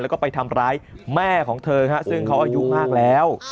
แล้วก็ไปทำร้ายแม่ของเธอซึ่งเขาอายุมากแล้ว